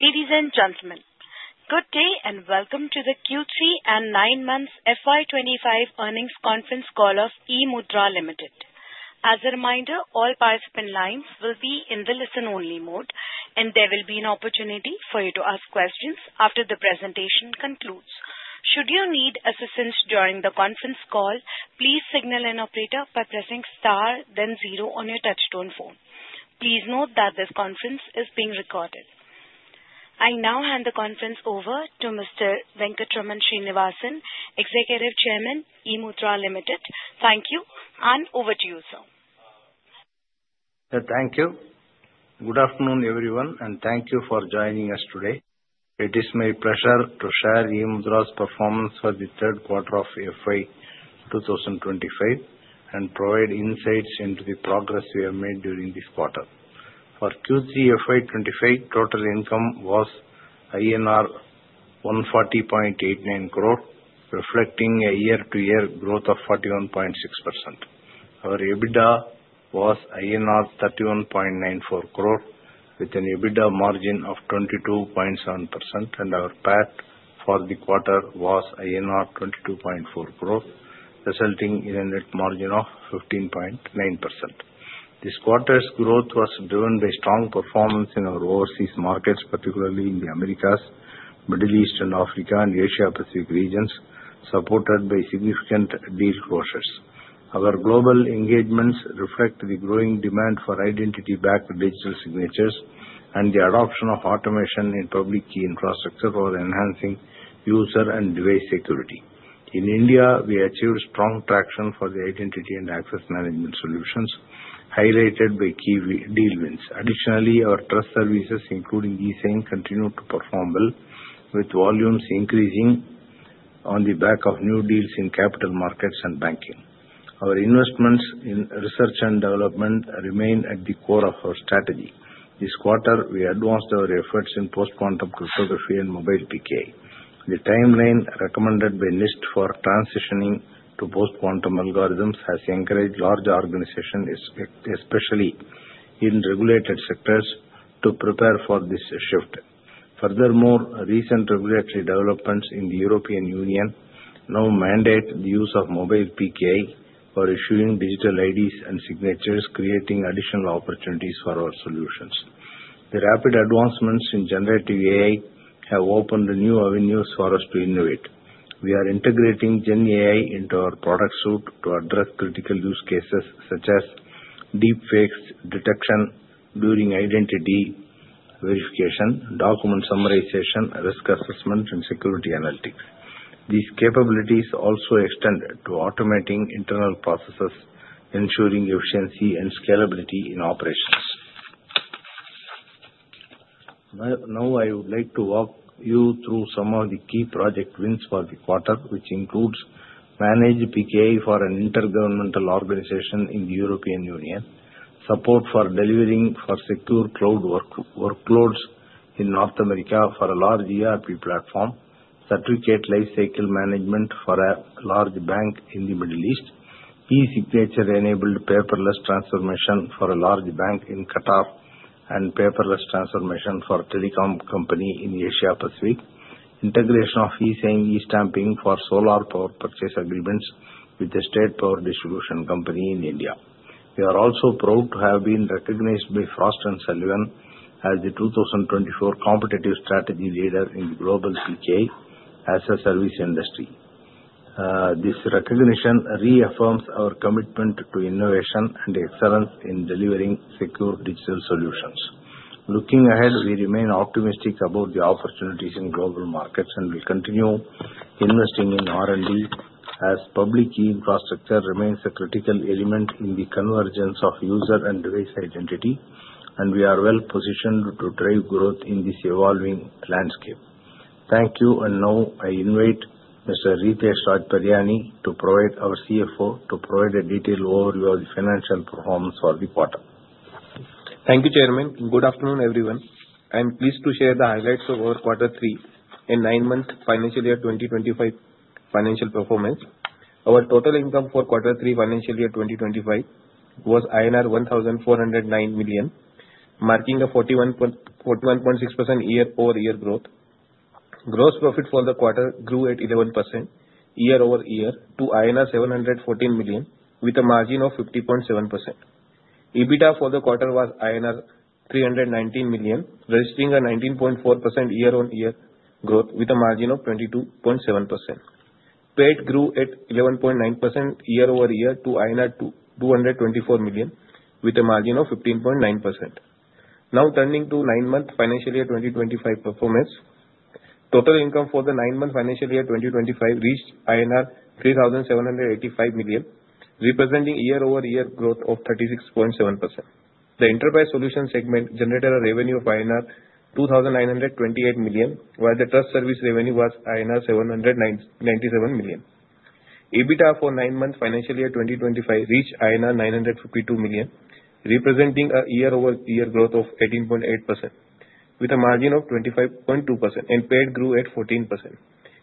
Ladies and gentlemen, good day and welcome to the Q3 and nine months FY25 earnings conference call of eMudhra Limited. As a reminder, all participant lines will be in the listen-only mode, and there will be an opportunity for you to ask questions after the presentation concludes. Should you need assistance during the conference call, please signal an operator by pressing star, then zero on your touch-tone phone. Please note that this conference is being recorded. I now hand the conference over to Mr. Venkatraman Srinivasan, Executive Chairman, eMudhra Limited. Thank you, and over to you, sir. Thank you. Good afternoon, everyone, and thank you for joining us today. It is my pleasure to share eMudhra's performance for the third quarter of FY 2025 and provide insights into the progress we have made during this quarter. For Q3 FY25, total income was INR 140.89 crore, reflecting a year-to-year growth of 41.6%. Our EBITDA was INR 31.94 crore, with an EBITDA margin of 22.7%, and our PAT for the quarter was 22.4 crore, resulting in a net margin of 15.9%. This quarter's growth was driven by strong performance in our overseas markets, particularly in the Americas, Middle East, and Africa, and Asia-Pacific regions, supported by significant deal closures. Our global engagements reflect the growing demand for identity-backed digital signatures and the adoption of automation in public key infrastructure for enhancing user and device security. In India, we achieved strong traction for the identity and access management solutions, highlighted by key deal wins. Additionally, our trust services, including eSIM, continued to perform well, with volumes increasing on the back of new deals in capital markets and banking. Our investments in research and development remain at the core of our strategy. This quarter, we advanced our efforts in post-quantum cryptography and mobile PKI. The timeline recommended by NIST for transitioning to post-quantum algorithms has encouraged large organizations, especially in regulated sectors, to prepare for this shift. Furthermore, recent regulatory developments in the European Union now mandate the use of mobile PKI for issuing Digital IDs and signatures, creating additional opportunities for our solutions. The rapid advancements in generative AI have opened new avenues for us to innovate. We are integrating GenAI into our product suite to address critical use cases such as deepfake detection during identity verification, document summarization, risk assessment, and security analytics. These capabilities also extend to automating internal processes, ensuring efficiency and scalability in operations. Now, I would like to walk you through some of the key project wins for the quarter, which includes managed PKI for an intergovernmental organization in the European Union, support for delivering secure cloud workloads in North America for a large ERP platform, certificate lifecycle management for a large bank in the Middle East, e-signature-enabled paperless transformation for a large bank in Qatar, and paperless transformation for a telecom company in Asia-Pacific, integration of eSIM e-stamping for solar power purchase agreements with the State Power Distribution Company in India. We are also proud to have been recognized by Frost & Sullivan as the 2024 Competitive Strategy Leader in the Global PKI as a Service Industry. This recognition reaffirms our commitment to innovation and excellence in delivering secure digital solutions. Looking ahead, we remain optimistic about the opportunities in global markets and will continue investing in R&D as public key infrastructure remains a critical element in the convergence of user and device identity, and we are well positioned to drive growth in this evolving landscape. Thank you, and now I invite Mr. Ritesh Raj Pariyani, our CFO, to provide a detailed overview of the financial performance for the quarter. Thank you, Chairman. Good afternoon, everyone. I'm pleased to share the highlights of our Q3 and 9-month financial year 2025 financial performance. Our total income for Q3 financial year 2025 was INR 1,409 million, marking a 41.6% year-over-year growth. Gross profit for the quarter grew at 11% year-over-year to INR 714 million, with a margin of 50.7%. EBITDA for the quarter was INR 319 million, registering a 19.4% year-on-year growth with a margin of 22.7%. PAT grew at 11.9% year-over-year to INR 224 million, with a margin of 15.9%. Now turning to 9-month financial year 2025 performance, total income for the 9-month financial year 2025 reached INR 3,785 million, representing year-over-year growth of 36.7%. The enterprise solution segment generated a revenue of INR 2,928 million, while the trust service revenue was INR 797 million. EBITDA for nine-month financial year 2025 reached INR 952 million, representing a year-over-year growth of 18.8%, with a margin of 25.2%, and PAT grew at 14%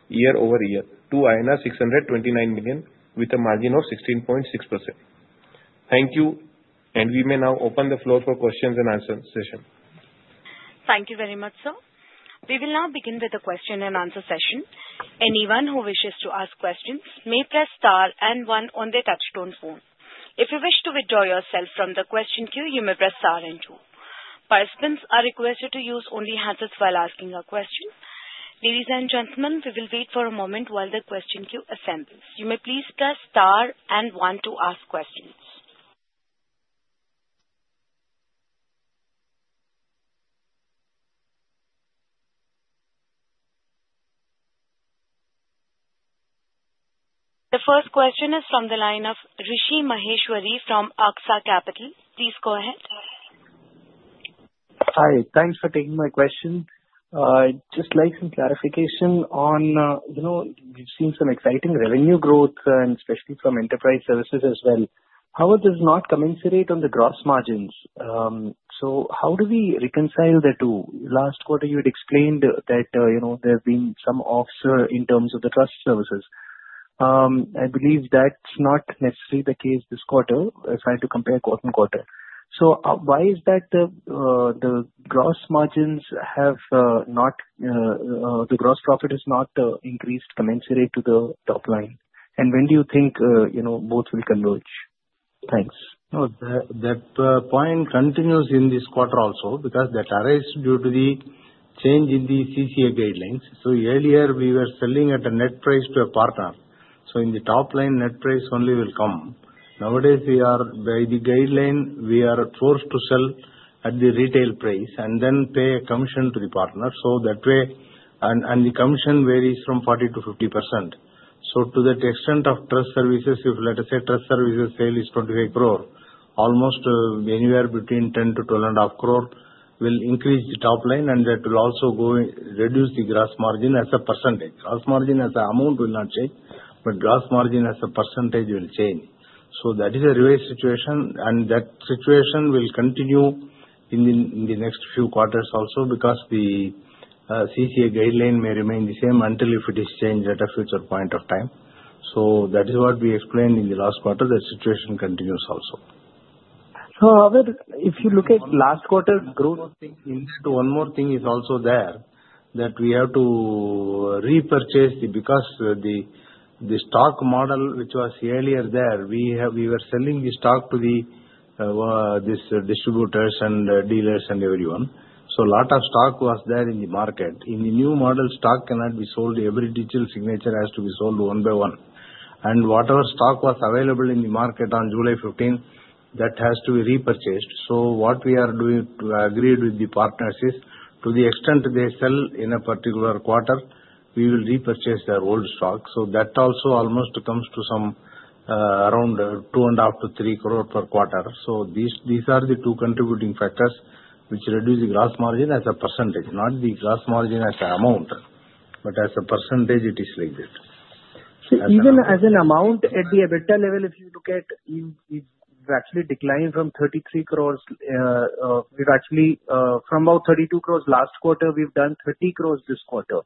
year-over-year to INR 629 million, with a margin of 16.6%. Thank you, and we may now open the floor for questions and answer session. Thank you very much, sir. We will now begin with the question and answer session. Anyone who wishes to ask questions may press star and one on their touch-tone phone. If you wish to withdraw yourself from the question queue, you may press star and two. Participants are requested to use only handsets while asking a question. Ladies and gentlemen, we will wait for a moment while the question queue assembles. You may please press star and one to ask questions. The first question is from the line of Rishi Maheshwari from Aksa Capital. Please go ahead. Hi, thanks for taking my question. Just like some clarification on we've seen some exciting revenue growth, and especially from enterprise services as well. However, this does not commensurate on the gross margins. So how do we reconcile the two? Last quarter, you had explained that there have been some offsets in terms of the trust services. I believe that's not necessarily the case this quarter if I had to compare quarter to quarter. So why is that the gross profit has not increased commensurate to the top line? And when do you think both will converge? Thanks. No, that point continues in this quarter also because that arises due to the change in the CCA guidelines. So earlier, we were selling at a net price to a partner. So in the top line, net price only will come. Nowadays, we are by the guideline, we are forced to sell at the retail price and then pay a commission to the partner. So that way, and the commission varies from 40%-50%. So to that extent of trust services, if let us say trust services sale is 25 crore, almost anywhere between 10-12 and a half crore will increase the top line, and that will also reduce the gross margin as a percentage. Gross margin as an amount will not change, but gross margin as a percentage will change. That is a reverse situation, and that situation will continue in the next few quarters also because the CCA guideline may remain the same until if it is changed at a future point of time. That is what we explained in the last quarter. That situation continues also. If you look at last quarter growth, one more thing is also there that we have to repurchase because the stock model which was earlier there, we were selling the stock to these distributors and dealers and everyone. A lot of stock was there in the market. In the new model, stock cannot be sold. Every digital signature has to be sold one by one. Whatever stock was available in the market on July 15, that has to be repurchased. What we are doing, agreed with the partners, is to the extent they sell in a particular quarter, we will repurchase their old stock. That also almost comes to some around 2.5 crore-3 crore per quarter. These are the two contributing factors which reduce the gross margin as a percentage, not the gross margin as an amount, but as a percentage it is like that. Even as an amount at the EBITDA level, if you look at, we've actually declined from 33 crore. We've actually from about 32 crore last quarter, we've done 30 crore this quarter.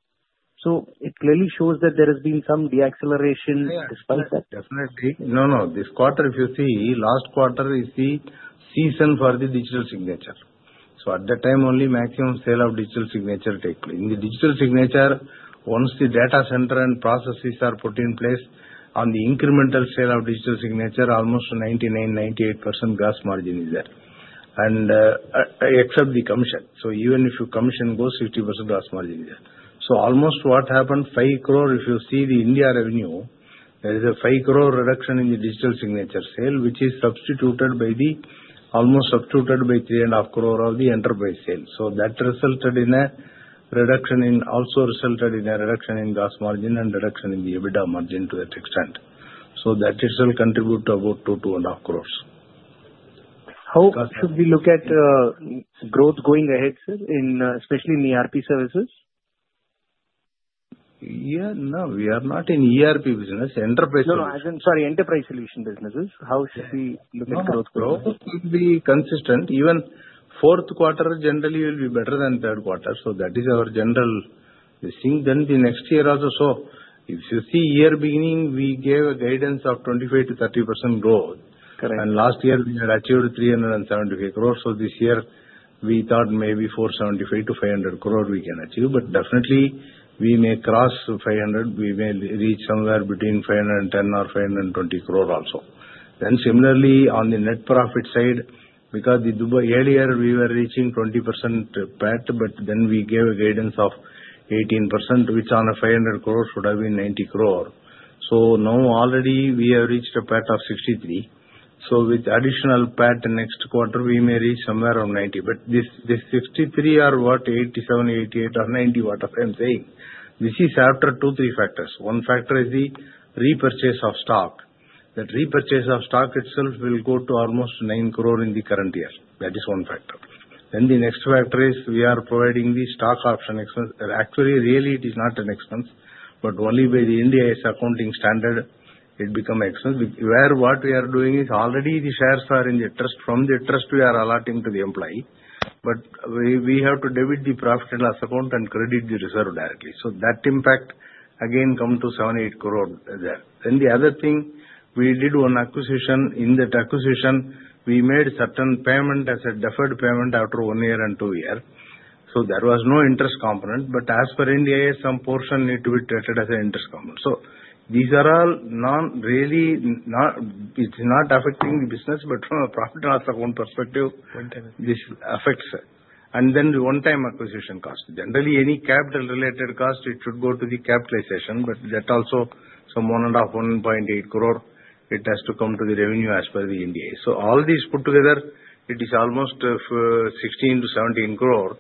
So it clearly shows that there has been some deceleration despite that. Definitely. No, no. This quarter, if you see, last quarter is the season for the digital signature. So at that time, only maximum sale of digital signature take place. In the digital signature, once the data center and processes are put in place on the incremental sale of digital signature, almost 98%-99% gross margin is there, except the commission. So even if your commission goes, 50% gross margin is there. So almost what happened, 5 crore, if you see the India revenue, there is a 5 crore reduction in the digital signature sale, which is substituted by the almost substituted by 3.5 crore of the enterprise sale. So that resulted in a reduction in also resulted in a reduction in gross margin and reduction in the EBITDA margin to that extent. So that it will contribute to about 2 crores-2.5 crores. How should we look at growth going ahead, sir, especially in ERP services? Yeah, no, we are not in ERP business. Enterprise solution. No, no, I'm sorry, enterprise solution businesses. How should we look at growth? Growth should be consistent. Even fourth quarter generally will be better than third quarter, so that is our general thing, then the next year also, so if you see year beginning, we gave a guidance of 25%-30% growth, and last year, we had achieved 375 crore, so this year, we thought maybe 475-500 crore we can achieve, but definitely we may cross 500 crore. We may reach somewhere between 510-520 crore also, then similarly, on the net profit side, because the earlier we were reaching 20% PAT, but then we gave a guidance of 18%, which on a 500 crore should have been 90 crore, so now already we have reached a PAT of 63 crore, so with additional PAT next quarter, we may reach somewhere around 90 crore, but this 63 are what, 87, 88, or 90, what I'm saying? This is after two, three factors. One factor is the repurchase of stock. That repurchase of stock itself will go to almost 9 crore in the current year. That is one factor. Then the next factor is we are providing the stock option expense. Actually, really, it is not an expense, but only by India's accounting standard, it becomes an expense. Where what we are doing is already the shares are in the trust from the trust we are allotting to the employee, but we have to debit the profit and loss account and credit the reserve directly. So that impact again comes to 7-8 crore there. Then the other thing, we did one acquisition. In that acquisition, we made certain payment as a deferred payment after one year and two years. So there was no interest component, but as per India, some portion need to be treated as an interest component. These are all not really; it's not affecting the business, but from a profit and loss account perspective, this affects. And then the one-time acquisition cost. Generally, any capital-related cost, it should go to the capitalization, but that also some 1.5, 1.8 crore; it has to come to the revenue as per Ind AS. So all these put together, it is almost 16-17 crore.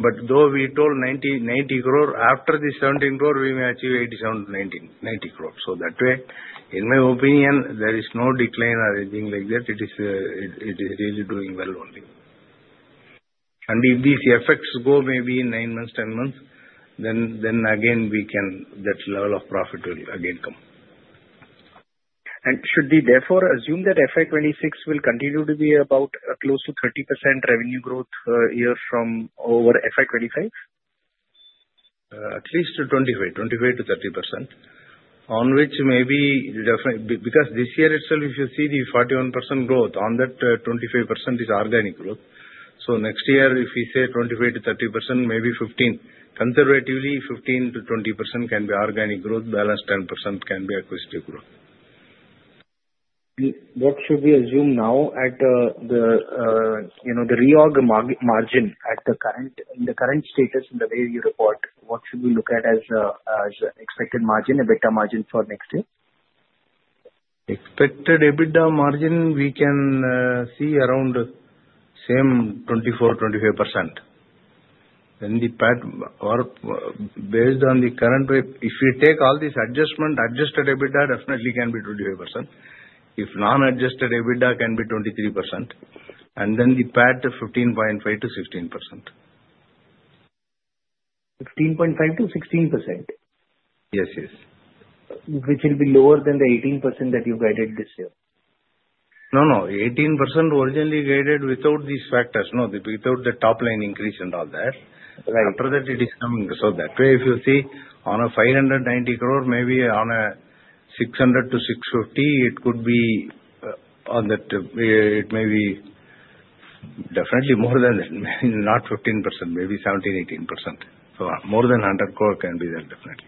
But though we told 90 crore, after the 17 crore, we may achieve 87-90 crore. So that way, in my opinion, there is no decline or anything like that. It is really doing well only. And if these effects go maybe in nine months, 10 months, then again we can that level of profit will again come. Should we therefore assume that FY26 will continue to be about close to 30% revenue growth year-over-year over FY25? At least 25%-30%, on which maybe because this year itself, if you see the 41% growth, on that 25% is organic growth. So next year, if we say 25%-30%, maybe 15%. Conservatively, 15%-20% can be organic growth. Balance 10% can be acquisitive growth. What should we assume now at the reorg margin at the current status in the way you report? What should we look at as an expected margin, EBITDA margin for next year? Expected EBITDA margin, we can see around same 24%-25%. Then the PAT based on the current way, if you take all this adjustment, adjusted EBITDA definitely can be 25%. If non-adjusted EBITDA can be 23%. And then the PAT 15.5%-16%. 15.5%-16%? Yes, yes. Which will be lower than the 18% that you guided this year? No, no. 18% originally guided without these factors. No, without the top line increase and all that. After that, it is coming. So that way, if you see on a 590 crore, maybe on a 600-650 crore, it could be on that. It may be definitely more than that. Not 15%, maybe 17%-18%. So more than 100 crore can be there definitely.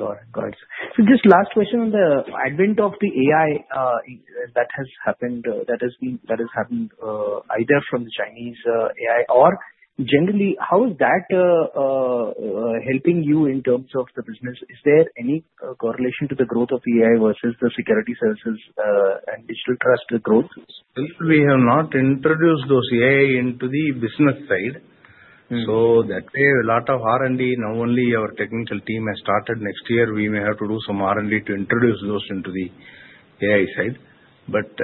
Got it. So just last question on the advent of the AI that has happened, either from the Chinese AI or generally, how is that helping you in terms of the business? Is there any correlation to the growth of AI versus the security services and digital trust growth? We have not introduced those AI into the business side. So that way, a lot of R&D, now only our technical team has started next year. We may have to do some R&D to introduce those into the AI side. But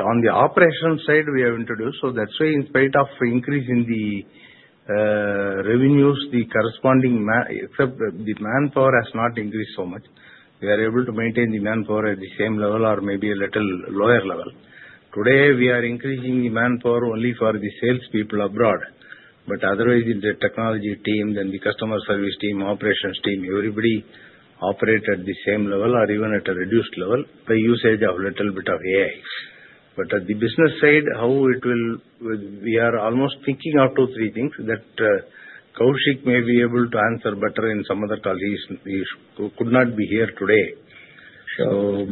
on the operation side, we have introduced. So that way, in spite of increasing the revenues, the corresponding except the manpower has not increased so much. We are able to maintain the manpower at the same level or maybe a little lower level. Today, we are increasing the manpower only for the salespeople abroad. But otherwise, in the technology team, then the customer service team, operations team, everybody operate at the same level or even at a reduced level by usage of a little bit of AI. But at the business side, how it will, we are almost thinking of two, three things that Kaushik may be able to answer better than some other colleagues who could not be here today,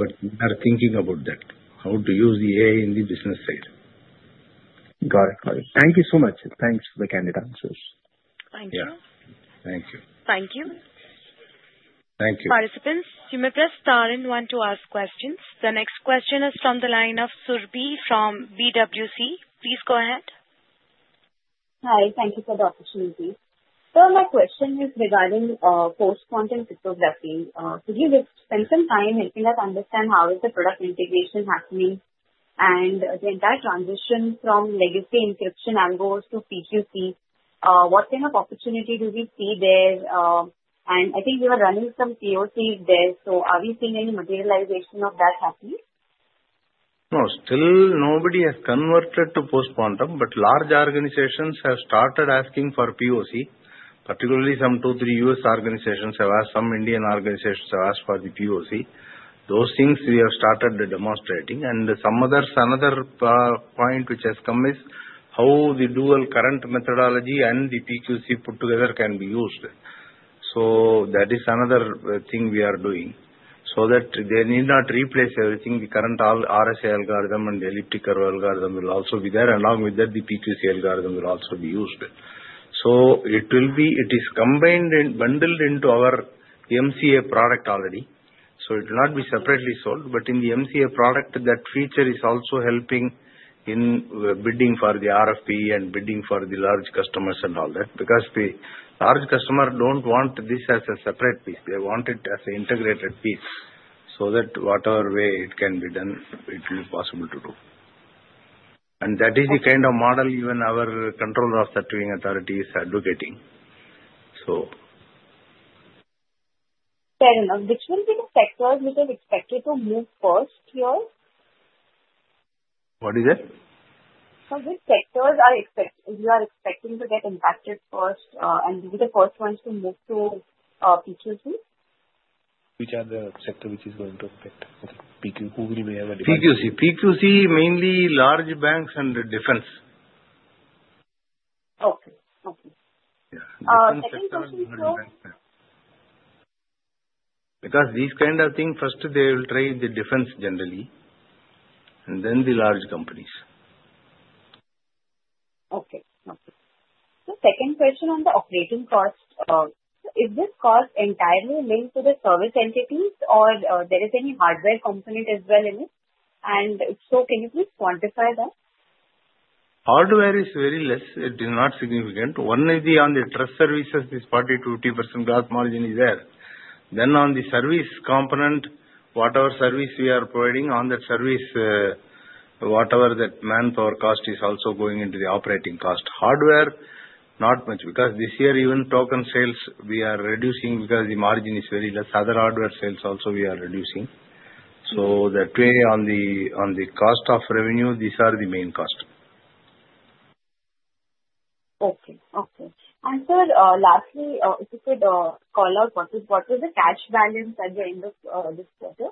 but we are thinking about that, how to use the AI in the business side. Got it. Got it. Thank you so much. Thanks for the candid answers. Thank you. Yeah. Thank you. Thank you. Thank you. Participants, you may press star and one to ask questions. The next question is from the line of Surbhi from B&K Securities. Please go ahead. Hi. Thank you for the opportunity. So my question is regarding post-quantum cryptography. Could you spend some time helping us understand how is the product integration happening and the entire transition from legacy encryption algos to PQC? What kind of opportunity do we see there? And I think we were running some POCs there. So are we seeing any materialization of that happening? No, still nobody has converted to post-quantum, but large organizations have started asking for POC. Particularly, some two, three U.S. organizations have asked, some Indian organizations have asked for the POC. Those things we have started demonstrating, and some others, another point which has come is how the dual current methodology and the PQC put together can be used. That is another thing we are doing so that they need not replace everything. The current RSA algorithm and elliptical algorithm will also be there. Along with that, the PQC algorithm will also be used. So it will be, it is combined and bundled into our emCA product already. So it will not be separately sold. But in the emCA product, that feature is also helping in bidding for the RFP and bidding for the large customers and all that. Because the large customer don't want this as a separate piece. They want it as an integrated piece. So that whatever way it can be done, it will be possible to do. And that is the kind of model even our Controller of Certifying Authorities is advocating. So. Fair enough. Which will be the sectors which are expected to move first here? What is that? Which sectors are you expecting to get impacted first and be the first ones to move to PQC? Which are the sector which is going to impact? Who will be? PQC. PQC, mainly large banks and defense. Okay. Okay. Yeah. Second question is so. Because these kind of thing, first they will trade the defense generally and then the large companies. Okay. So second question on the operating cost. Is this cost entirely linked to the service entities or there is any hardware component as well in it? And if so, can you please quantify that? Hardware is very less. It is not significant. Only on the trust services, this 40%-50% gross margin is there. Then on the service component, whatever service we are providing on that service, whatever that manpower cost is also going into the operating cost. Hardware, not much. Because this year, even token sales, we are reducing because the margin is very less. Other hardware sales also we are reducing. So that way, on the cost of revenue, these are the main cost. Okay. Okay. And sir, lastly, if you could call out what was the cash balance at the end of this quarter?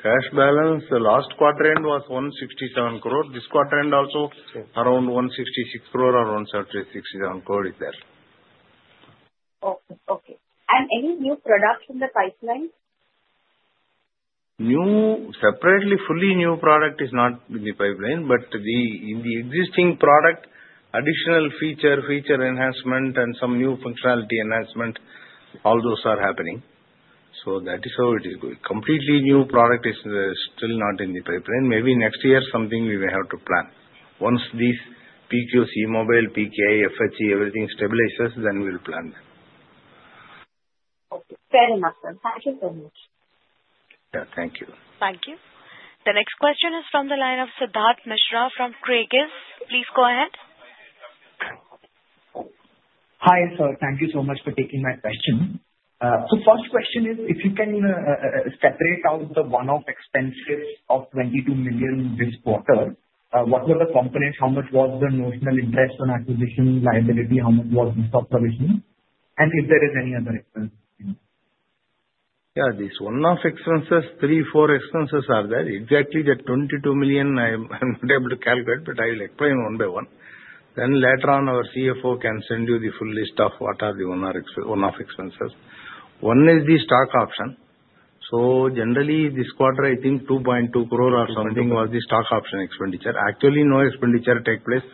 Cash balance, the last quarter end was 167 crore. This quarter end also around 166 crore or 167 crore is there. Okay. And any new products in the pipeline? Separately, fully new product is not in the pipeline, but in the existing product, additional feature, feature enhancement, and some new functionality enhancement, all those are happening. So that is how it is going. Completely new product is still not in the pipeline. Maybe next year, something we may have to plan. Once these PQC, mobile, PKI, FHE, everything stabilizes, then we'll plan them. Okay. Fair enough, sir. Thank you very much. Yeah. Thank you. Thank you. The next question is from the line of Siddharth Mishra from Creaegis. Please go ahead. Hi, sir. Thank you so much for taking my question. So first question is, if you can separate out the one-off expenses of 22 million this quarter, what were the components? How much was the notional interest on acquisition liability? How much was the provision? And if there is any other expense? Yeah, these one-off expenses, three, four expenses are there. Exactly that 22 million, I'm not able to calculate, but I will explain one by one. Then later on, our CFO can send you the full list of what are the one-off expenses. One is the stock option. So generally, this quarter, I think 2.2 crore or something was the stock option expenditure. Actually, no expenditure takes place.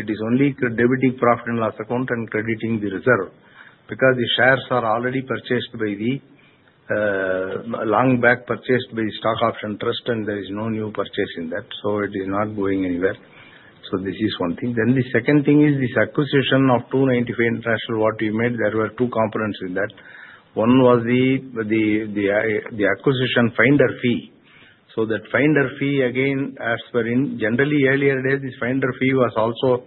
It is only debiting profit and loss account and crediting the reserve. Because the shares are already purchased long back by the stock option trust, and there is no new purchase in that. So it is not going anywhere. So this is one thing. Then the second thing is this acquisition of Two95 International, what we made, there were two components in that. One was the acquisition finder fee. So that finder fee, again, as per in general, earlier days, this finder fee was also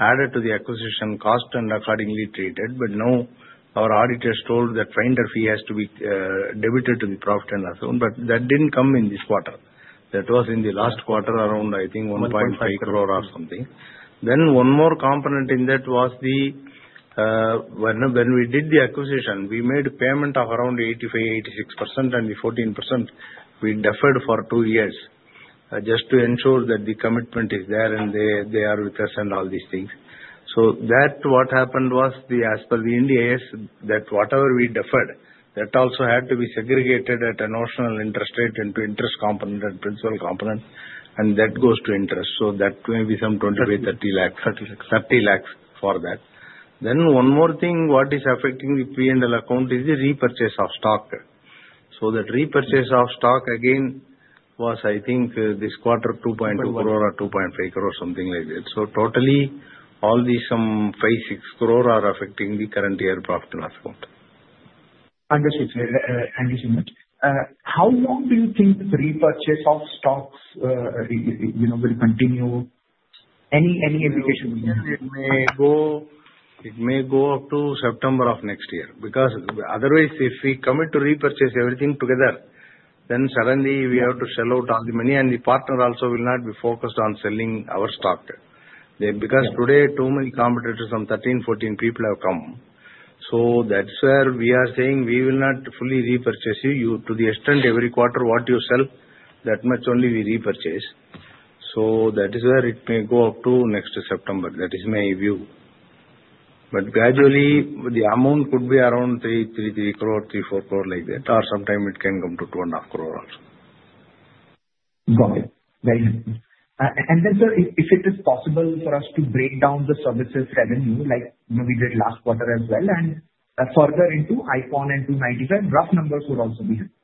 added to the acquisition cost and accordingly treated. But now, our auditors told that finder fee has to be debited to the profit and loss account. But that didn't come in this quarter. That was in the last quarter, around, I think, 1.5 crore or something. Then one more component in that was the when we did the acquisition, we made a payment of around 85-86%, and the 14% we deferred for two years just to ensure that the commitment is there and they are with us and all these things. So that what happened was the as per Ind AS, whatever we deferred, that also had to be segregated at a notional interest rate into interest component and principal component, and that goes to interest. That may be some 25-30 lakhs. 30 lakhs. 30 lakhs for that. Then one more thing, what is affecting the P&L account is the repurchase of stock. So that repurchase of stock, again, was, I think, this quarter, 2.2 crore or 2.5 crore, something like that. So totally, all these some 5-6 crore are affecting the current year profit and loss account. Understood. Thank you so much. How long do you think the repurchase of stocks will continue? Any indication? It may go up to September of next year. Because otherwise, if we commit to repurchase everything together, then suddenly we have to shell out all the money. And the partner also will not be focused on selling our stock. Because today, too many competitors from 13, 14 people have come. So that's where we are saying we will not fully repurchase you. To the extent, every quarter, what you sell, that much only we repurchase. So that is where it may go up to next September. That is my view. But gradually, the amount could be around 3, 3 crore, 3, 4 crore like that. Or sometime it can come to 2.5 crore also. Got it. Very good. And then, sir, if it is possible for us to break down the services revenue like we did last quarter as well and further into Ikon and Two95, rough numbers would also be helpful.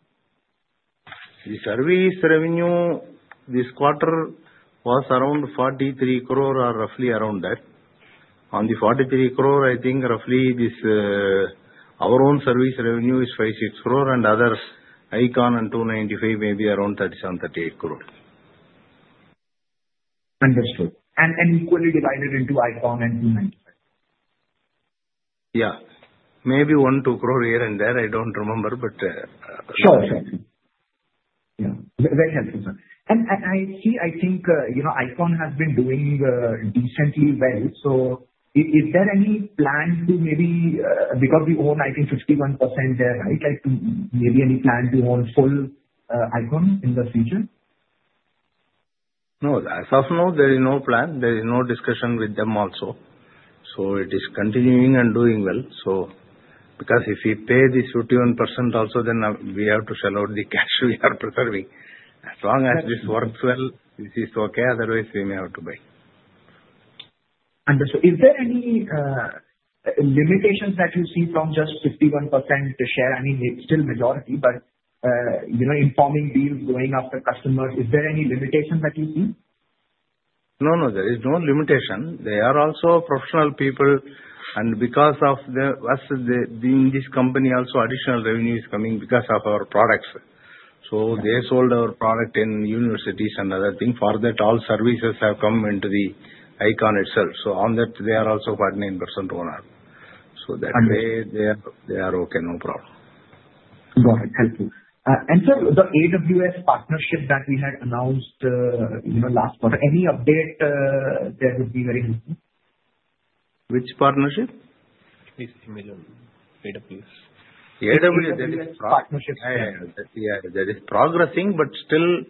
The service revenue this quarter was around 43 crore or roughly around that. On the 43 crore, I think roughly our own service revenue is 5-6 crore and others, Ikon and Two95 maybe around 37-38 crore. Understood. And equally divided into Ikon and Two95? Yeah. Maybe one, two crore here and there. I don't remember, but. Sure, sure. Yeah. Very helpful, sir. And I see, I think Ikon has been doing decently well. So is there any plan to maybe because we own, I think, 51% there, right? Maybe any plan to own full Ikon in the future? No. As of now, there is no plan. There is no discussion with them also. So it is continuing and doing well. So because if we pay this 51% also, then we have to sell out the cash we are preserving. As long as this works well, this is okay. Otherwise, we may have to buy. Understood. Is there any limitations that you see from just 51% share? I mean, it's still majority, but in forming deals, going after customers. Is there any limitation that you see? No, no, there is no limitation. They are also professional people. And because of us being this company, also additional revenue is coming because of our products. So they sold our product in universities and other things. For that, all services have come into the Ikon itself. So on that, they are also 49% owner. So that way, they are okay, no problem. Got it. Thank you. And sir, the AWS partnership that we had announced last quarter, any update there would be very helpful? Which partnership? This AWS. AWS, that is progressing. Yeah, that is progressing, but still,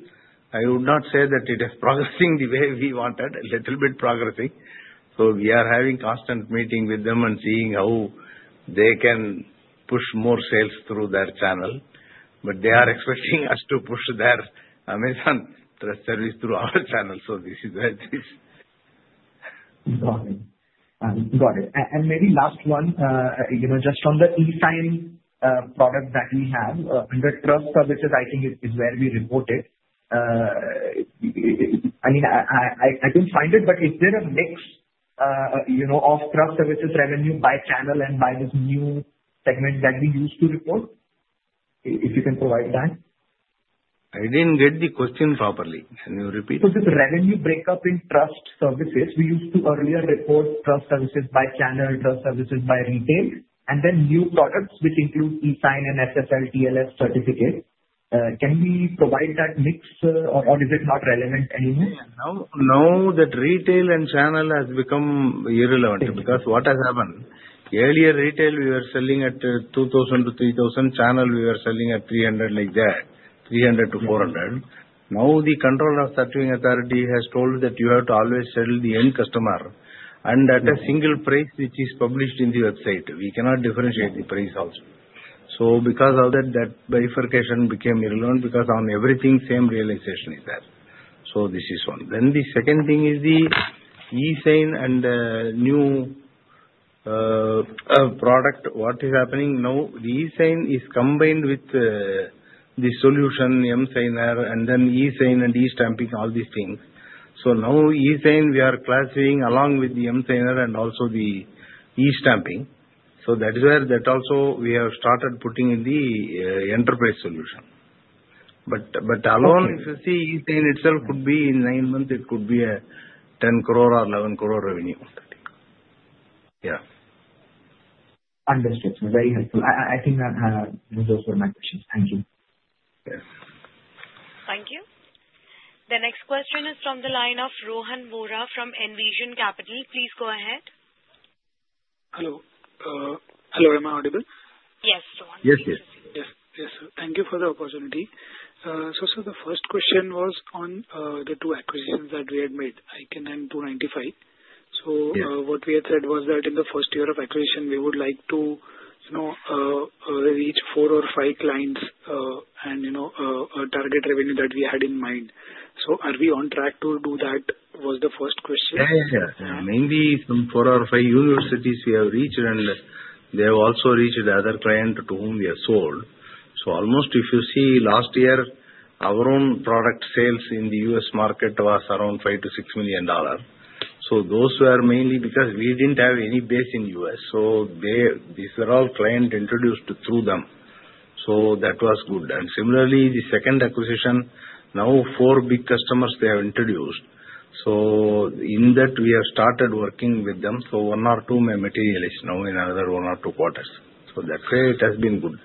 I would not say that it is progressing the way we wanted. A little bit progressing. So we are having constant meeting with them and seeing how they can push more sales through their channel. But they are expecting us to push their Amazon Trust Services through our channel. So this is where it is. Got it. Got it. And maybe last one, just on the eSign product that we have, under trust services, I think is where we report it. I mean, I couldn't find it, but is there a mix of trust services revenue by channel and by this new segment that we used to report? If you can provide that? I didn't get the question properly. Can you repeat? So this revenue breakdown in trust services, we used to earlier report trust services by channel, trust services by retail, and then new products which include eSign and SSL/TLS certificate. Can we provide that mix or is it not relevant anymore? No, that retail and channel has become irrelevant. Because what has happened? Earlier, retail, we were selling at 2,000-3,000. Channel, we were selling at 300 like that, 300-400. Now, the Controller of Certifying Authorities has told that you have to always sell the end customer. And at a single price which is published in the website. We cannot differentiate the price also. So because of that, that bifurcation became irrelevant because on everything, same realization is there. So this is one. Then the second thing is the eSign and new product. What is happening now? The eSign is combined with the solution, emSigner, and then eSign and eStamping, all these things. So now, eSign, we are classifying along with the emSigner and also the eStamping. So that is where that also we have started putting in the enterprise solution. But alone, if you see, eSign itself could be in nine months, it could be a 10 crore or 11 crore revenue. Yeah. Understood. Very helpful. I think those were my questions. Thank you. Yes. Thank you. The next question is from the line of Rohan Vora from Envision Capital. Please go ahead. Hello. Hello. Am I audible? Yes, Rohan. Yes, yes. Yes, yes. Thank you for the opportunity. So, sir, the first question was on the two acquisitions that we had made, Ikon and Two95. So what we had said was that in the first year of acquisition, we would like to reach four or five clients and target revenue that we had in mind. So are we on track to do that? Was the first question. Yeah, yeah, yeah. Maybe some four or five universities we have reached, and they have also reached other clients to whom we have sold. So almost, if you see, last year, our own product sales in the U.S. market was around $5-$6 million. So those were mainly because we didn't have any base in the U.S. So these are all clients introduced through them. So that was good. And similarly, the second acquisition, now four big customers they have introduced. So in that, we have started working with them. So one or two may materialize now in another one or two quarters. So that way, it has been good.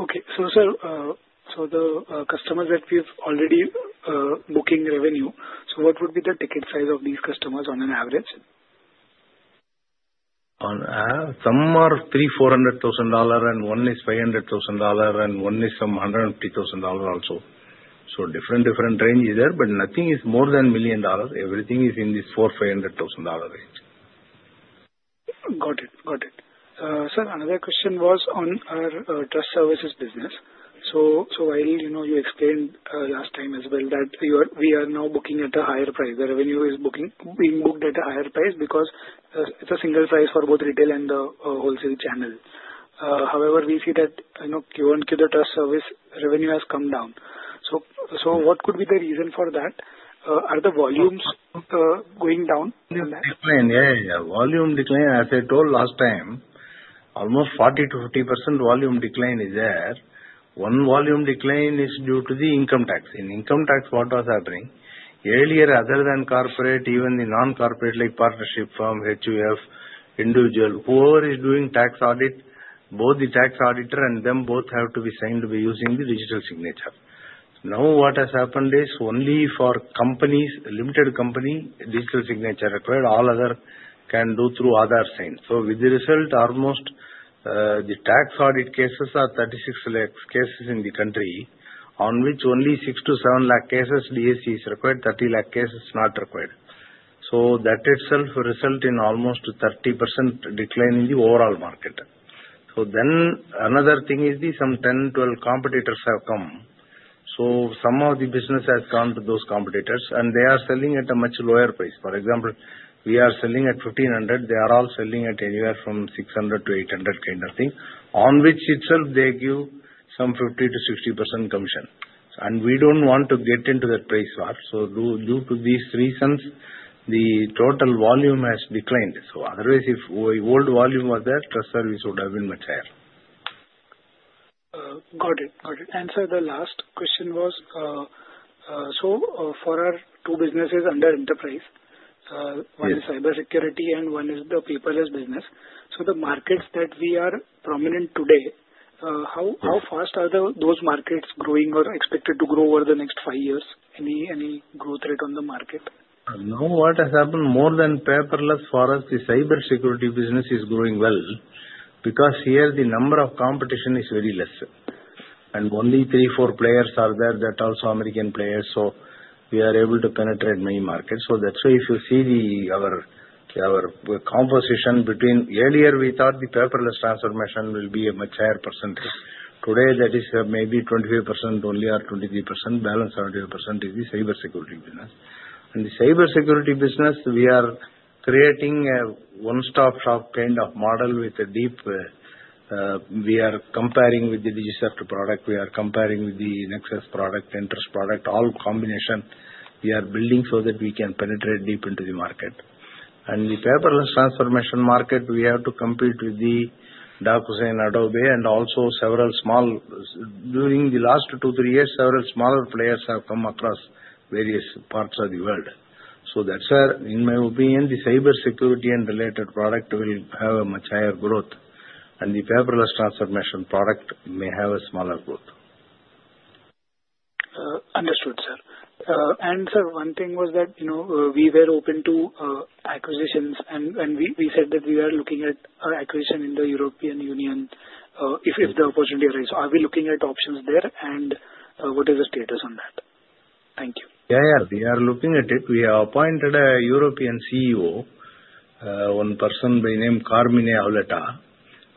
Okay. So, sir, for the customers that we have already booking revenue, so what would be the ticket size of these customers on average? Some are $3,400,000, and one is $500,000, and one is some $150,000 also. So different range is there, but nothing is more than $1 million. Everything is in this $4,500,000 range. Got it. Got it. Sir, another question was on our trust services business. So while you explained last time as well that we are now booking at a higher price, the revenue is being booked at a higher price because it's a single price for both retail and the wholesale channel. However, we see that Q1, Q2 trust service revenue has come down. So what could be the reason for that? Are the volumes going down? Volume decline. As I told last time, almost 40%-50% volume decline is there. One volume decline is due to the income tax. In income tax, what was happening? Earlier, other than corporate, even the non-corporate like partnership firm, HUF, individual, whoever is doing tax audit, both the tax auditor and them both have to be signed using the digital signature. Now, what has happened is only for companies, limited company, digital signature required. All other can do through other sign. So with the result, almost the tax audit cases are 36 lakh cases in the country on which only 6-7 lakh cases DSC is required, 30 lakh cases not required. So that itself result in almost 30% decline in the overall market. So then another thing is some 10-12 competitors have come. So some of the business has gone to those competitors, and they are selling at a much lower price. For example, we are selling at 1,500. They are all selling at anywhere from 600-800 kind of thing, on which itself they give some 50%-60% commission. And we don't want to get into that price war. So due to these reasons, the total volume has declined. So otherwise, if old volume was there, trust service would have been much higher. Got it. Got it. And sir, the last question was, so for our two businesses under enterprise, one is cybersecurity and one is the paperless business, so the markets that we are prominent today, how fast are those markets growing or expected to grow over the next five years? Any growth rate on the market? Now, what has happened more than paperless for us, the cybersecurity business is growing well because here the number of competition is very less. And only three, four players are there. That also American players. So we are able to penetrate many markets. So that's why if you see our composition between earlier, we thought the paperless transformation will be a much higher percentage. Today, that is maybe 25% only or 23%, balance 75% is the cybersecurity business. And the cybersecurity business, we are creating a one-stop shop kind of model with a deep. We are comparing with the DigiCert product. We are comparing with the Nexus product, Entrust product, all combination. We are building so that we can penetrate deep into the market. And the paperless transformation market, we have to compete with the DocuSign, Adobe, and also several small. During the last two, three years, several smaller players have come across various parts of the world. So that's where, in my opinion, the cybersecurity and related product will have a much higher growth. And the paperless transformation product may have a smaller growth. Understood, sir. And sir, one thing was that we were open to acquisitions, and we said that we are looking at acquisition in the European Union if the opportunity arises. Are we looking at options there? And what is the status on that? Thank you. Yeah, yeah. We are looking at it. We have appointed a European CEO, one person by name Carmine Auletta.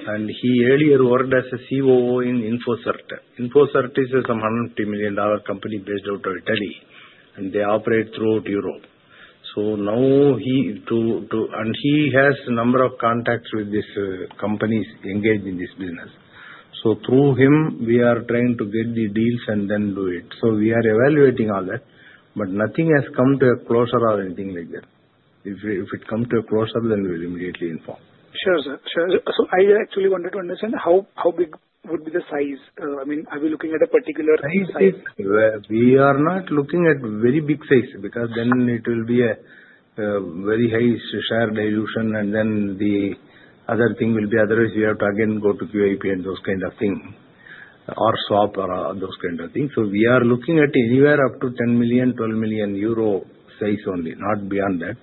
And he earlier worked as a COO in InfoCert. InfoCert is a $150 million company based out of Italy. And they operate throughout Europe. So now he has a number of contacts with these companies engaged in this business. So through him, we are trying to get the deals and then do it. So we are evaluating all that, but nothing has come to a closure or anything like that. If it comes to a closure, then we will immediately inform. Sure, sir. Sure. So I actually wanted to understand how big would be the size? I mean, are we looking at a particular size? We are not looking at very big size because then it will be a very high share dilution, and then the other thing will be otherwise we have to again go to QAP and those kind of thing or swap or those kind of things. So we are looking at anywhere up to 10 million, 12 million euro size only, not beyond that.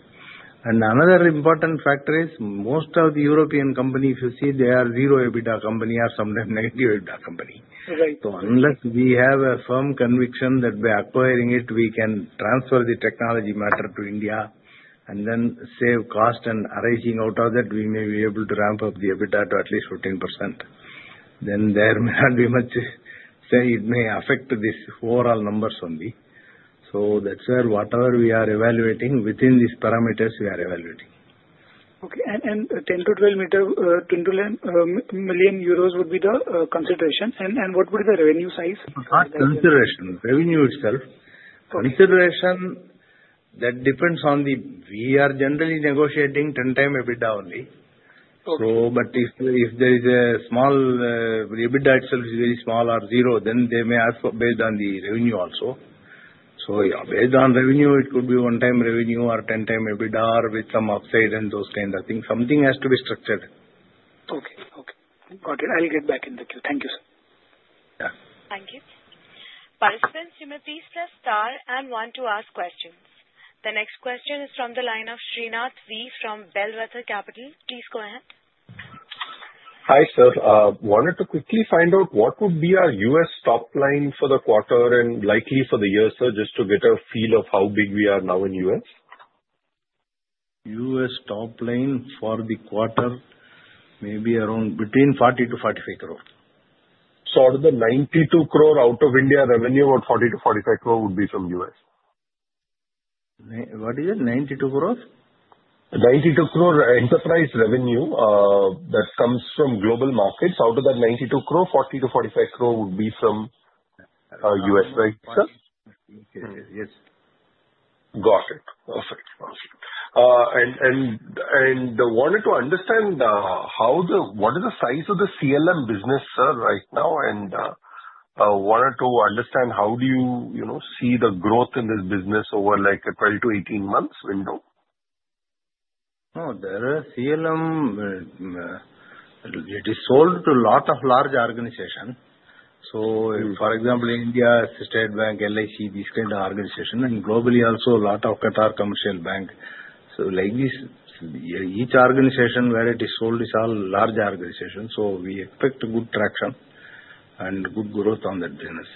And another important factor is most of the European companies, if you see, they are zero EBITDA company or sometimes negative EBITDA company. So unless we have a firm conviction that by acquiring it, we can transfer the technology matter to India and then save cost and arising out of that, we may be able to ramp up the EBITDA to at least 15%. Then there may not be much say it may affect these overall numbers only. So that's where whatever we are evaluating, within these parameters, we are evaluating. Okay. And 10-12 million euros would be the consideration. And what would be the revenue size? Not consideration. Revenue itself. Consideration that depends on the, we are generally negotiating 10 times EBITDA only. But if there is a small EBITDA, itself is very small or zero, then they may ask based on the revenue also. So based on revenue, it could be one-time revenue or 10-time EBITDA or with some upside and those kind of things. Something has to be structured. Okay. Okay. Got it. I'll get back in the queue. Thank you, sir. Yeah. Thank you. Participants, you may please press star and one to ask questions. The next question is from the line of Srinath V from Bellwether Capital. Please go ahead. Hi, sir. Wanted to quickly find out what would be our U.S. top line for the quarter and likely for the year, sir, just to get a feel of how big we are now in the U.S.? U.S. top line for the quarter may be around between 40 crore-45 crore. So out of the 92 crore out-of-India revenue, what 40-45 crore would be from U.S.? What is it? 92 crore? 92 crore enterprise revenue that comes from global markets. Out of that 92 crore, 40-45 crore would be from U.S., right, sir? Okay. Yes. Got it. Perfect. Perfect. And wanted to understand what is the size of the CLM business, sir, right now? And wanted to understand how do you see the growth in this business over like a 12-18 months window? Oh, there is CLM. It is sold to a lot of large organizations. So for example, India, State Bank of India, LIC, these kind of organizations, and globally also a lot of Commercial Bank of Qatar. So like this, each organization where it is sold is all large organizations. So we expect good traction and good growth on that business.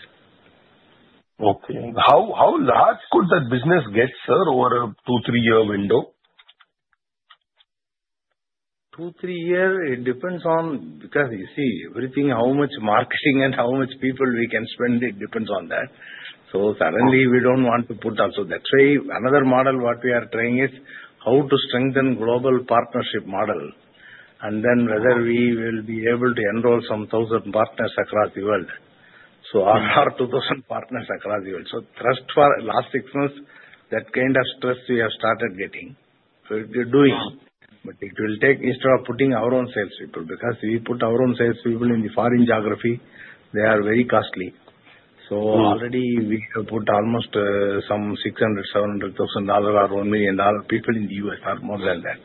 Okay. How large could that business get, sir, over a two, three-year window? or three years, it depends because you see everything, how much marketing and how much people we can spend, it depends on that. So suddenly, we don't want to put also. That's why another model what we are trying is how to strengthen global partnership model. And then whether we will be able to enroll some thousand partners across the world. So our 2,000 partners across the world. So trust for last six months, that kind of stress we have started getting. We're doing. But it will take instead of putting our own salespeople because we put our own salespeople in the foreign geography, they are very costly. So already we have put almost some $600,000-$700,000 or $1 million people in the US are more than that.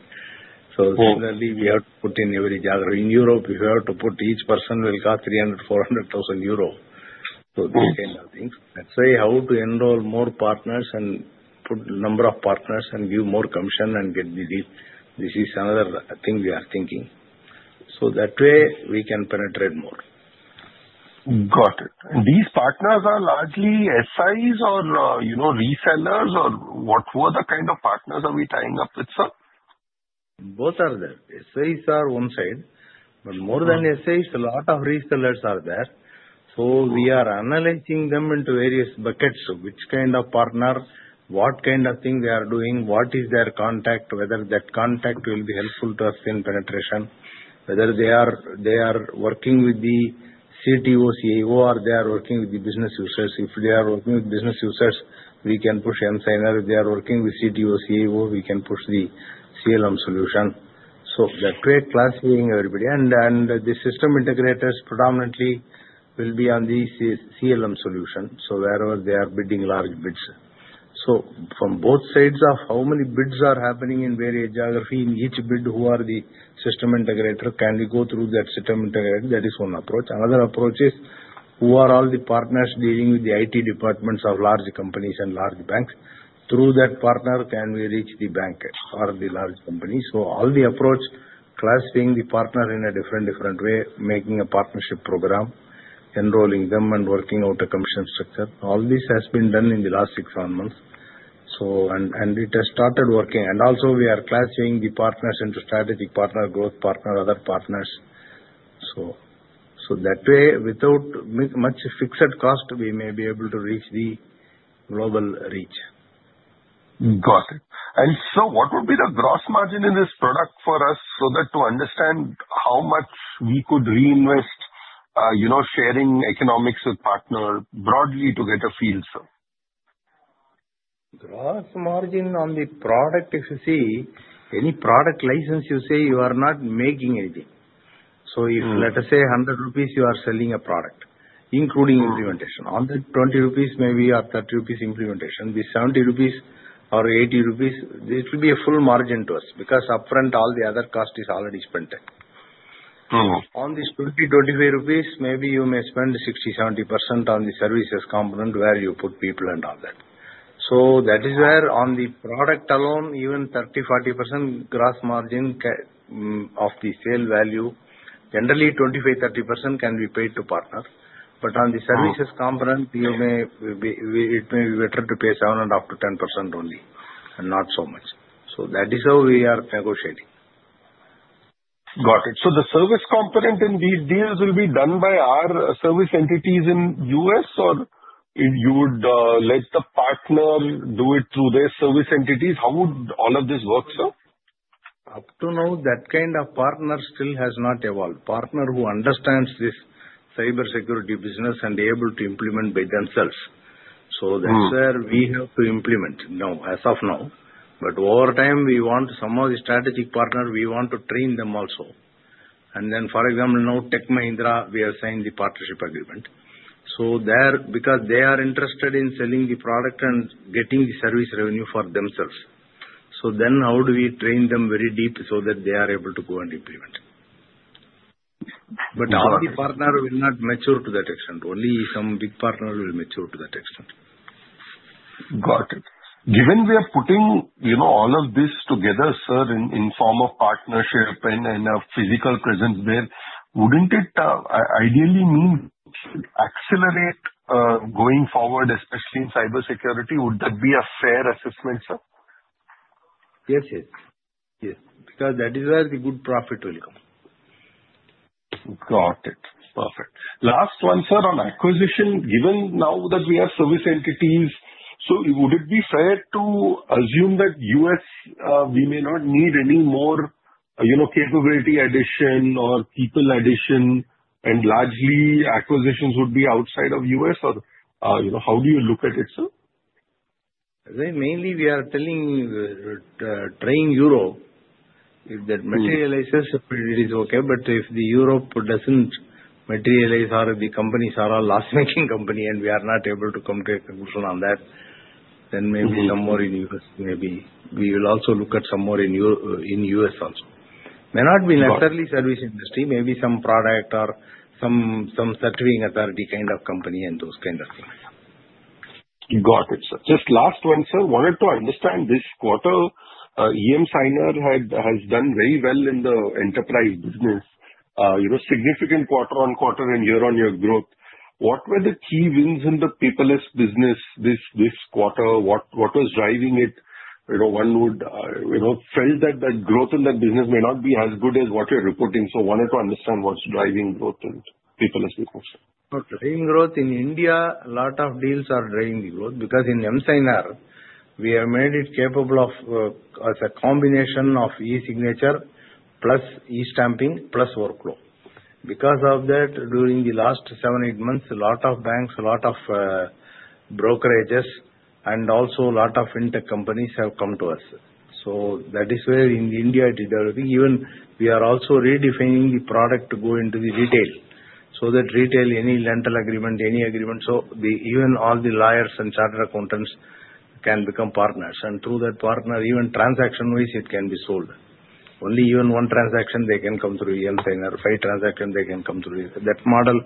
So similarly, we have to put in every geography. In Europe, we have to put each person will cost 300,000-400,000 euro. So these kind of things. That's why how to enroll more partners and put number of partners and give more commission and get the deal. This is another thing we are thinking. So that way, we can penetrate more. Got it. And these partners are largely SIs or resellers or what were the kind of partners are we tying up with, sir? Both are there. SIs are one side, but more than SIs, a lot of resellers are there. We are analyzing them into various buckets, which kind of partner, what kind of thing they are doing, what is their contact, whether that contact will be helpful to us in penetration, whether they are working with the CTO, CAO, or they are working with the business users. If they are working with business users, we can push emSigner. If they are working with CTO, CAO, we can push the CLM solution. That way, classifying everybody, and the system integrators predominantly will be on the CLM solution, wherever they are bidding large bids. From both sides of how many bids are happening in various geographies, in each bid, who are the system integrator? Can we go through that system integrator? That is one approach. Another approach is, who are all the partners dealing with the IT departments of large companies and large banks? Through that partner, can we reach the bank or the large company, so all the approach, classifying the partner in a different way, making a partnership program, enrolling them, and working out a commission structure? All this has been done in the last six months, and it has started working, and also, we are classifying the partners into strategic partner, growth partner, other partners, so that way, without much fixed cost, we may be able to reach the global reach. Got it. And sir, what would be the gross margin in this product for us so that to understand how much we could reinvest sharing economics with partners broadly to get a feel, sir? Gross margin on the product, if you see, any product license, you say you are not making anything. So if, let us say, 100 rupees, you are selling a product, including implementation. On the 20 rupees, maybe you have 30 rupees implementation. The 70 rupees or 80 rupees, it will be a full margin to us because upfront, all the other cost is already spent. On this 20 rupees, INR 25, maybe you may spend 60%-70% on the services component where you put people and all that. So that is where on the product alone, even 30%-40% gross margin of the sale value, generally 25%-30% can be paid to partners. But on the services component, it may be better to pay 7%-10% only and not so much. So that is how we are negotiating. Got it. So the service component in these deals will be done by our service entities in the U.S., or you would let the partner do it through their service entities? How would all of this work, sir? Up to now, that kind of partner still has not evolved. Partner who understands this cybersecurity business and able to implement by themselves. So that's where we have to implement now, as of now. But over time, we want some of the strategic partner, we want to train them also. And then, for example, now Tech Mahindra, we have signed the partnership agreement. So there, because they are interested in selling the product and getting the service revenue for themselves. So then how do we train them very deep so that they are able to go and implement? But all the partner will not mature to that extent. Only some big partner will mature to that extent. Got it. Given we are putting all of this together, sir, in the form of partnership and a physical presence there, wouldn't it ideally mean accelerate going forward, especially in cybersecurity? Would that be a fair assessment, sir? Yes, yes. Yes. Because that is where the good profit will come. Got it. Perfect. Last one, sir, on acquisition. Given now that we have service entities, so would it be fair to assume that US, we may not need any more capability addition or people addition, and largely acquisitions would be outside of the US? Or how do you look at it, sir? Mainly, we are trying Europe. If that materializes, it is okay. But if the Europe doesn't materialize or the companies are all loss-making company and we are not able to come to a conclusion on that, then maybe some more in the US. Maybe we will also look at some more in the US also. May not be necessarily service industry. Maybe some product or some certain authority kind of company and those kind of things. Got it, sir. Just last one, sir. Wanted to understand this quarter, emSigner has done very well in the enterprise business. Significant quarter on quarter and year-on-year growth. What were the key wins in the paperless business this quarter? What was driving it? One would felt that the growth in that business may not be as good as what you're reporting. So wanted to understand what's driving growth in paperless business. Driving growth in India, a lot of deals are driving the growth because in emSigner, we have made it capable of a combination of e-signature plus e-stamping plus workflow. Because of that, during the last seven, eight months, a lot of banks, a lot of brokerages, and also a lot of fintech companies have come to us. That is where in India, it is developing. We are also redefining the product to go into the retail. That retail, any rental agreement, any agreement, so even all the lawyers and chartered accountants can become partners. Through that partner, even transaction-wise, it can be sold. Only even one transaction, they can come through emSigner. Five transactions, they can come through. That model,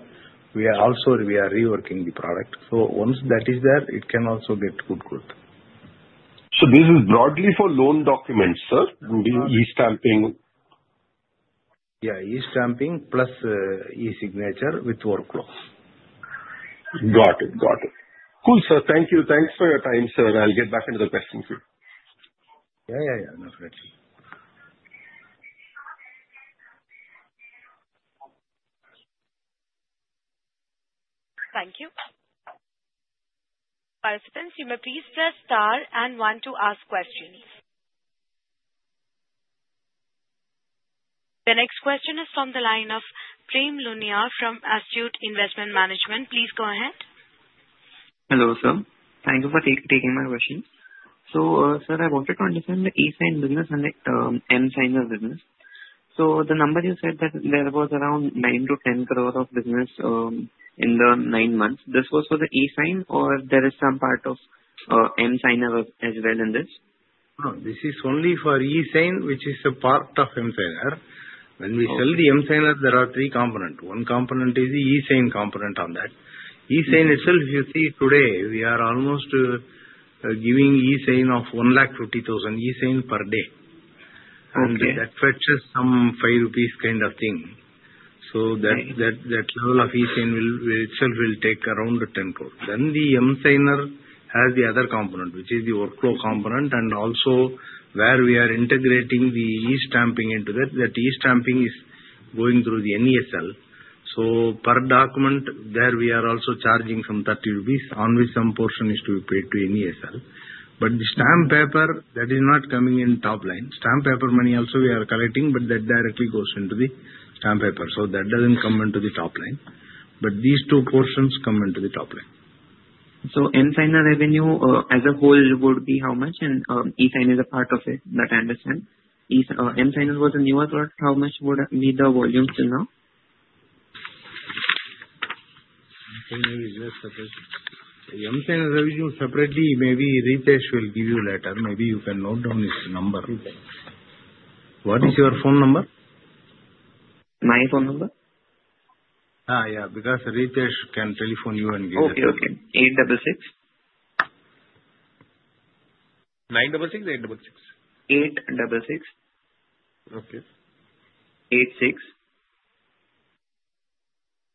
we are also reworking the product. Once that is there, it can also get good growth. So this is broadly for loan documents, sir, and e-stamping? Yeah. eStamping plus e-signature with workflow. Got it. Got it. Cool, sir. Thank you. Thanks for your time, sir. I'll get back into the questions here. Yeah, yeah, yeah. No problem. Thank you. Participants, you may please press star and one to ask questions. The next question is from the line of Prem Luniya from Astute Investment Management. Please go ahead. Hello, sir. Thank you for taking my question. So, sir, I wanted to understand the eSign business and the emSigner business. So the number you said that there was around 9-10 crore of business in the nine months. This was for the eSign, or there is some part of emSigner as well in this? This is only for eSign, which is a part of emSigner. When we sell the emSigner, there are three components. One component is the eSign component on that. eSign itself, if you see today, we are almost giving eSign of 150,000 eSign per day. And that fetches some 5 rupees kind of thing. So that level of eSign itself will take around 10 crore. Then the emSigner has the other component, which is the workflow component. And also where we are integrating the eStamping into that, that eStamping is going through the NeSL. So per document, there we are also charging some 30 rupees. Only some portion is to be paid to NeSL. But the stamp paper, that is not coming in top line. Stamp paper money also we are collecting, but that directly goes into the stamp paper. So that doesn't come into the top line. But these two portions come into the top line. emSigner revenue as a whole would be how much? eSign is a part of it, that I understand. emSigner was in the U.S., but how much would be the volume till now? emSigner revenue separately, maybe Ritesh will give you later. Maybe you can note down his number. What is your phone number? My phone number? Yeah. Because Ritesh can telephone you and give it to you. Okay. 866? 966, 866. 866. Okay. 86.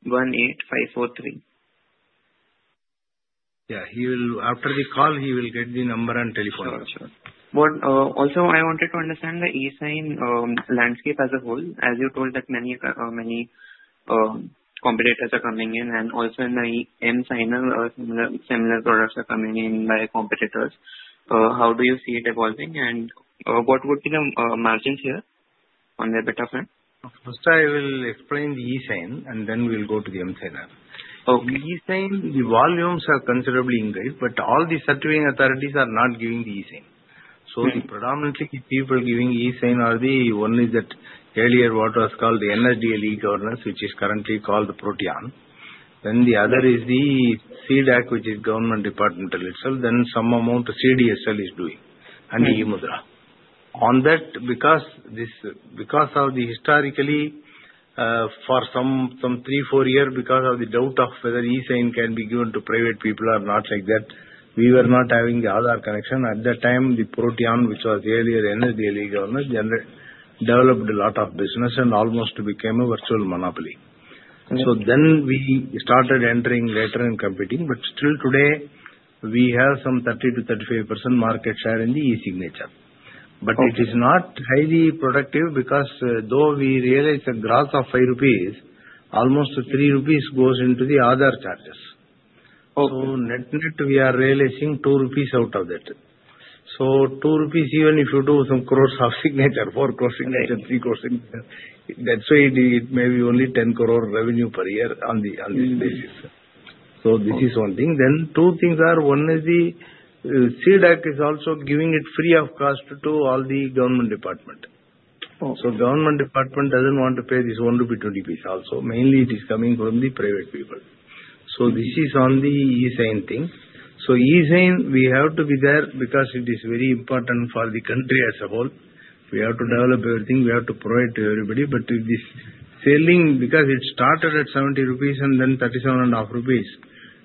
18543. Yeah. After the call, he will get the number and telephone you. Sure. Sure. Also, I wanted to understand the e-sign landscape as a whole. As you told that many competitors are coming in, and also in the MSigner, similar products are coming in by competitors. How do you see it evolving? And what would be the margins here on the EBITDA front? First, I will explain the eSign, and then we'll go to the emSigner. The eSign, the volumes are considerably increased, but all the Certifying Authorities are not giving the eSign. So the predominantly people giving eSign are the one is that earlier what was called the NSDL e-Governance, which is currently called the Protean. Then the other is the C-DAC, which is government departmental itself. Then some amount CDSL is doing and eMudhra. On that, because of the historically, for some three, four years, because of the doubt of whether eSign can be given to private people or not like that, we were not having the other connection. At that time, the Protean, which was earlier NSDL e-Governance, developed a lot of business and almost became a virtual monopoly. So then we started entering later and competing. But still today, we have some 30%-35% market share in the e-signature. But it is not highly productive because though we realize a gross of ₹5, almost ₹3 goes into the other charges. So net net, we are realizing ₹2 out of that. So ₹2, even if you do some crores of signature, 4 crores signature, 3 crores signature, that way, it may be only 10 crore revenue per year on this basis. So this is one thing. Then two things are. One is the C-DAC is also giving it free of cost to all the government department. So government department doesn't want to pay this ₹1 to be ₹20 also. Mainly, it is coming from the private people. So this is on the e-sign thing. So e-sign, we have to be there because it is very important for the country as a whole. We have to develop everything. We have to provide to everybody. But this selling, because it started at 70 rupees and then 37.5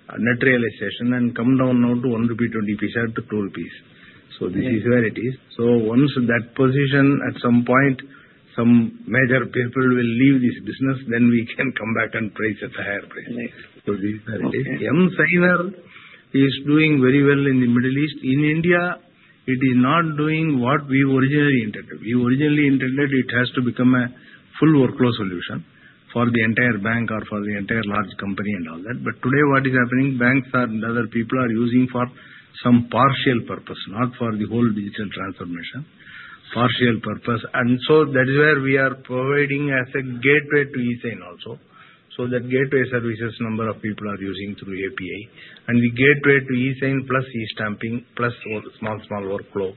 rupees net realization and come down now to 1 rupee to 20 up to 2 rupees. So this is where it is. So once that position, at some point, some major people will leave this business, then we can come back and price at a higher price. So this is where it is. emSigner is doing very well in the Middle East. In India, it is not doing what we originally intended. We originally intended it has to become a full workflow solution for the entire bank or for the entire large company and all that. But today, what is happening, banks and other people are using for some partial purpose, not for the whole digital transformation. Partial purpose. And so that is where we are providing as a gateway to e-sign also. So that gateway services, number of people are using through API. And the gateway to e-sign plus e-stamping plus small, small workflow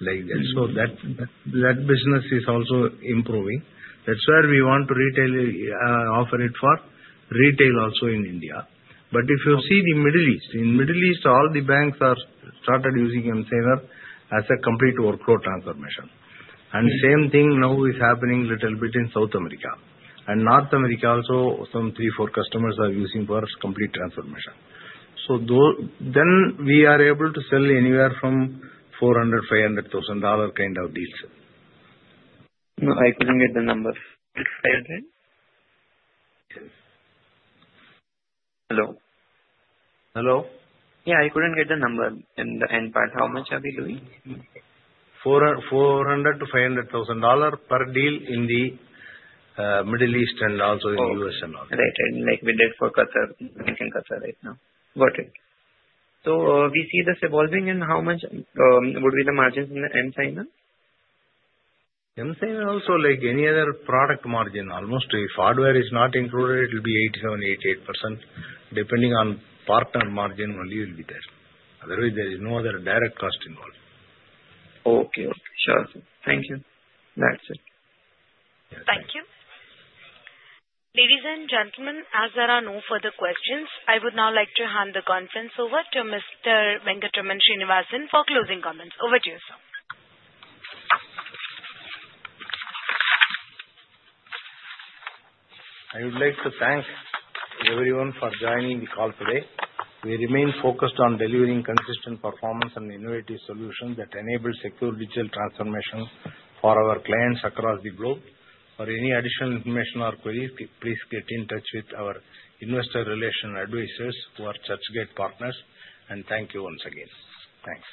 like that. So that business is also improving. That's where we want to retail offer it for retail also in India. But if you see the Middle East, in Middle East, all the banks are started using emSigner as a complete workflow transformation. And same thing now is happening a little bit in South America. And North America also, some three, four customers are using for complete transformation. So then we are able to sell anywhere from $400,000-$500,000 kind of deals. No, I couldn't get the number. 500? Yes. Hello? Hello? Yeah. I couldn't get the number in the end part. How much are we doing? $400,000-$500,000 per deal in the Middle East and also in the U.S. and all that. Right. And like we did for Qatar, Commercial Bank of Qatar right now. Got it. So we see this evolving. And how much would be the margins in the emSigner? emSigner also, like any other product margin, almost if hardware is not included, it will be 87%-88%. Depending on partner margin only will be there. Otherwise, there is no other direct cost involved. Okay. Sure. Thank you. That's it. Thank you. Ladies and gentlemen, as there are no further questions, I would now like to hand the conference over to Mr. Venkatraman Srinivasan for closing comments. Over to you, sir. I would like to thank everyone for joining the call today. We remain focused on delivering consistent performance and innovative solutions that enable secure digital transformation for our clients across the globe. For any additional information or queries, please get in touch with our investor relations advisors, who are Churchgate Partners, and thank you once again. Thanks.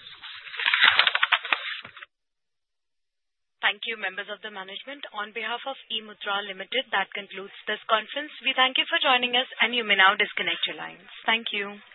Thank you, members of the management. On behalf of eMudhra Limited, that concludes this conference. We thank you for joining us, and you may now disconnect your lines. Thank you.